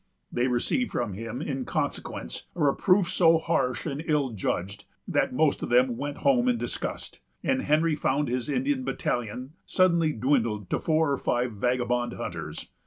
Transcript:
They received from him, in consequence, a reproof so harsh and ill judged, that most of them went home in disgust; and Henry found his Indian battalion suddenly dwindled to four or five vagabond hunters.